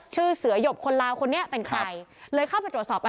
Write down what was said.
ชื่อเสือหยบคนลาวคนนี้เป็นใครเลยเข้าไปตรวจสอบไป